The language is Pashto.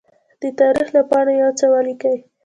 د تاریخ له پاڼو يوڅه ولیکئ!